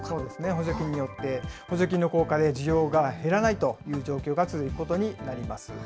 補助金によって、補助金の効果で需要が減らないという状況が続くことになります。